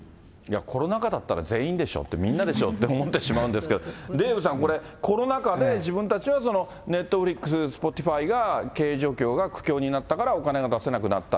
コロナ禍だったら全員でしょうって、みんなでしょうって思ってしまうんですが、デーブさん、これコロナ禍で、自分たちはネットフリックス、Ｓｐｏｔｉｆｙが経営状況が苦境になったからお金が出せなくなった。